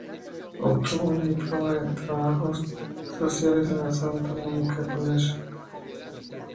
Obtuvo un diploma en trabajos sociales en la Santa Monica College.